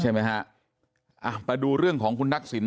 ใช่ไหมฮะอ่ะมาดูเรื่องของคุณทักษิณ